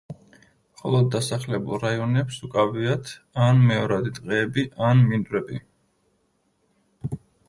მხოლოდ დასახლებულ რაიონებს უკავიათ ან მეორადი ტყეები, ან მინდვრები.